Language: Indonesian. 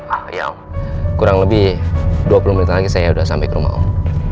ah ya kurang lebih dua puluh menit lagi saya sudah sampai ke rumah om